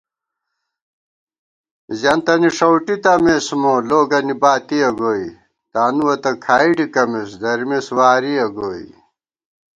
زیَنتَنی ݭؤٹی تمېس مو، لوگَنی باتِیَہ گوئی * تانُوَہ تہ کھائی ڈِکَمېس درِمېس وارِیَہ گوئی